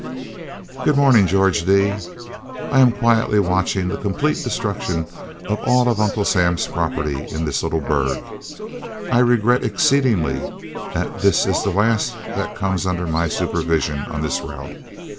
Good morning, George D. I am quietly watching the complete destruction of all of Uncle Sam's property in this little burg. I regret exceedingly that this is the last that comes under my supervision on this route.